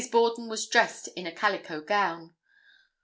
Borden was dressed in a calico gown."